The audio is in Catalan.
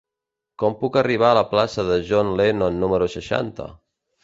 Com puc arribar a la plaça de John Lennon número seixanta?